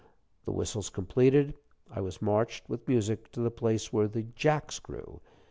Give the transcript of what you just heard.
The whistles completed, I was marched, with music, to the place where the "Jacks" grew.